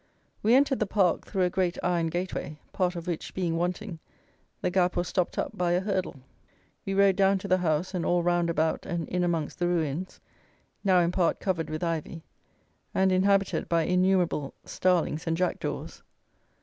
We entered the park through a great iron gateway, part of which being wanting, the gap was stopped up by a hurdle. We rode down to the house and all round about and in amongst the ruins, now in part covered with ivy, and inhabited by innumerable starlings and jackdaws.